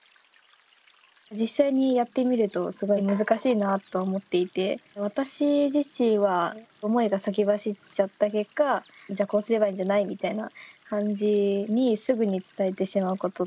実際にやってみるとすごい難しいなと思っていて私自身は思いが先走っちゃった結果「じゃあこうすればいいんじゃない？」みたいな感じにすぐに伝えてしまうことっていうのがあるので。